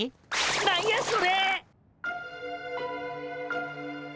何やあれ。